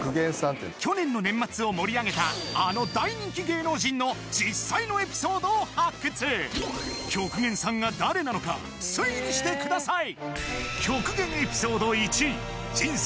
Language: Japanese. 去年の年末を盛り上げたあの大人気芸能人の実際のエピソードを発掘極限さんが誰なのか推理してください